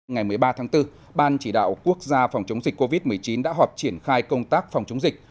ngày một mươi ba tháng bốn ban chỉ đạo quốc gia phòng chống dịch covid một mươi chín đã họp triển khai công tác phòng chống dịch